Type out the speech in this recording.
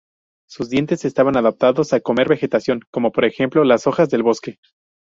Sus dientes estaban adaptados a comer vegetación, como por ejemplo las hojas del bosque.